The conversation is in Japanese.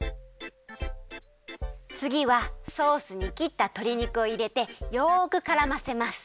つぎはソースにきったとり肉をいれてよくからませます。